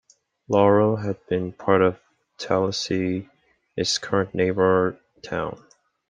Laurel had been part of Talisay, its current neighbor town.